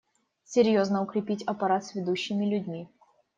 Серьезно укрепить аппарат сведущими людьми.